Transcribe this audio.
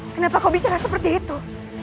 kenapa kau bicara seperti itu